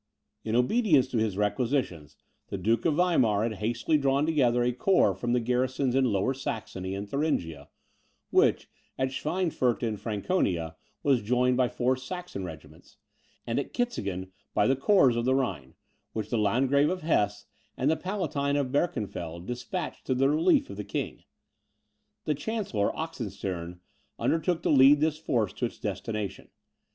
In obedience to his requisitions, the Duke of Weimar had hastily drawn together a corps from the garrisons in Lower Saxony and Thuringia, which, at Schweinfurt in Franconia, was joined by four Saxon regiments, and at Kitzingen by the corps of the Rhine, which the Landgrave of Hesse, and the Palatine of Birkenfeld, despatched to the relief of the King. The Chancellor, Oxenstiern, undertook to lead this force to its destination.